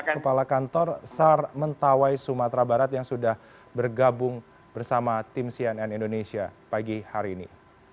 kepala kantor sar mentawai sumatera barat yang sudah bergabung bersama tim cnn indonesia pagi hari ini